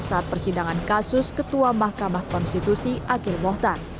saat persidangan kasus ketua mahkamah konstitusi akil mohtar